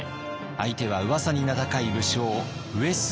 相手はうわさに名高い武将上杉謙信。